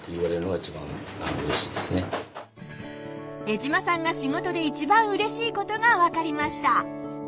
江島さんが仕事で一番うれしいことがわかりました。